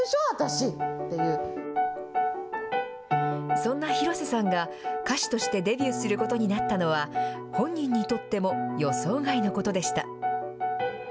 そんな広瀬さんが、歌手としてデビューすることになったのは、本人にとっても予想外のことでした。